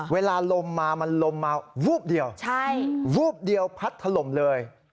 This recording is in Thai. เวลาลมมามันลมมาวูบเดียววูบเดียวพัดถล่มเลย